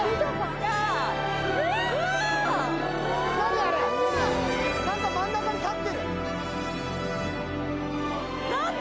あれ何か真ん中に立ってる何だ？